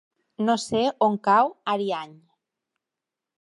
No sé on cau Ariany.